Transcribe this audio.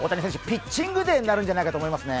ピッチングデーになるんじゃないかと思いますよ。